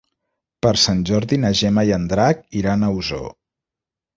Per Sant Jordi na Gemma i en Drac iran a Osor.